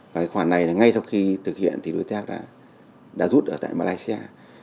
và cái khoản này là ngay sau khi thực hiện thì đối tác đã rút ở tại malaysia